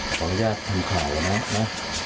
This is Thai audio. ขออนุญาตทำข่าวนะนะ